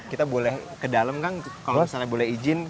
kita boleh ke dalam kan kalau misalnya boleh izin